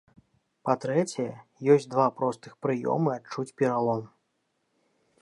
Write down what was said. Па-трэцяе, ёсць два простых прыёмы адчуць пералом.